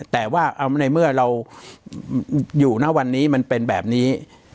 แต่ว่าในเมื่อเราอยู่ณวันนี้มันเป็นแบบนี้